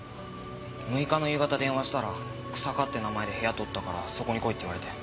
６日の夕方電話したら日下って名前で部屋とったからそこに来いって言われて。